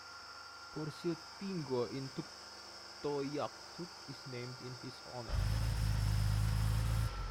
Porsild Pingo in Tuktoyaktuk is named in his honor.